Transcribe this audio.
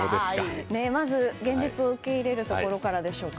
まず、現実を受けれるところでしょうか。